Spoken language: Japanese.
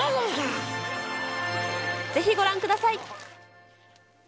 ぜひご覧ください。